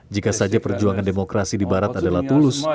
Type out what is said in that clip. jika saja perjuangan demokrasi di barat adalah tulus